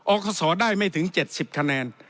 ออกอสอได้ไม่ถึง๗๐คะแนน